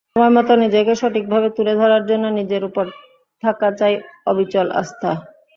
সময়মতো নিজেকে সঠিকভাবে তুলে ধরার জন্য নিজের ওপর থাকা চাই অবিচল আস্থা।